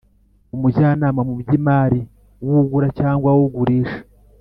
umujyanama mu by imari w ugura cyangwa ugurisha